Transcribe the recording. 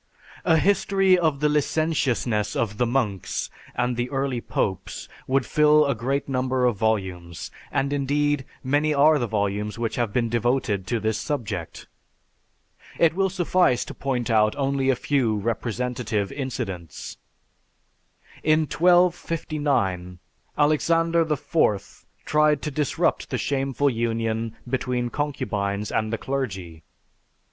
A history of the licentiousness of the monks and the early popes would fill a great number of volumes; and indeed, many are the volumes which have been devoted to this subject. It will suffice to point out only a few representative incidents. In 1259, Alexander IV tried to disrupt the shameful union between concubines and the clergy.